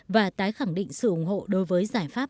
và tái khẳng định sự ủng hộ đối với giải pháp